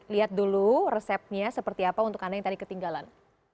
lihat dulu resepnya seperti apa untuk anda yang tadi ketinggalan